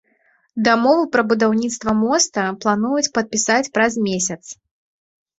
Дамову пра будаўніцтва моста плануюць падпісаць праз месяц.